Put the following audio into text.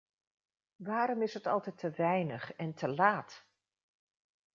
Waarom is het altijd te weinig en te laat?